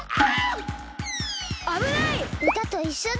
歌といっしょだ！